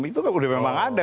itu kan memang ada